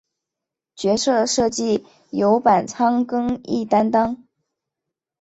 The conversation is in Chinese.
角色设计由板仓耕一担当。